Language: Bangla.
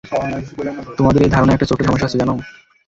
তোমাদের এই ধারণায় একটা ছোট্ট সমস্যা আছে, জানো?